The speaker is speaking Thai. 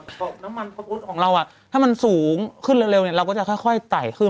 เพราะฉะนั้นน้ำมันของเราอ่ะถ้ามันสูงขึ้นเร็วเร็วเนี้ยเราก็จะค่อยค่อยไต่ขึ้น